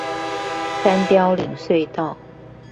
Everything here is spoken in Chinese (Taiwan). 三貂嶺隧道